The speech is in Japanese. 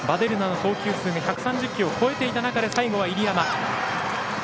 １３０球を超えていた中で最後は入山。